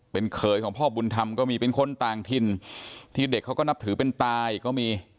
เป็นเขยของพ่อบุญธรรมก็มีเป็นคนต่างถิ่นที่เด็กเขาก็นับถือเป็นตายก็มี